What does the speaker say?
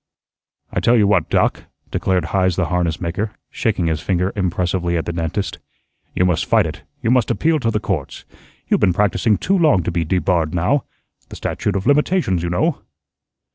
"I tell you what, Doc," declared Heise the harness maker, shaking his finger impressively at the dentist, "you must fight it; you must appeal to the courts; you've been practising too long to be debarred now. The statute of limitations, you know."